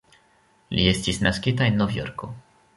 Li estis naskita en Novjorko.